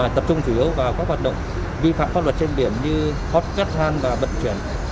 tập trung chủ yếu vào các hoạt động vi phạm pháp luật trên biển như hot kethan và vận chuyển